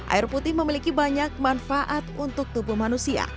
air putih memiliki banyak manfaat untuk tubuh manusia